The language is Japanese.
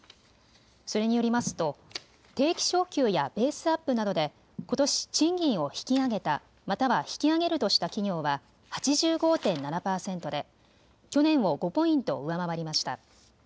それによりますと定期昇給やベースアップなどでことし賃金を引き上げた、または引き上げるとした企業は８５．７％で去年を５ポイント上回りました。